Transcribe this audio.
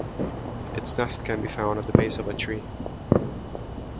Its nest can be found at the base of a tree.